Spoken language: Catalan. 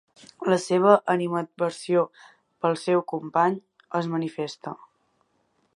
La seva animadversió pel seu company és manifesta.